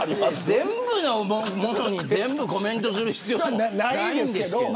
全部のものにコメントする必要もないんですけど。